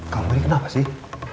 kamu ini kenapa sih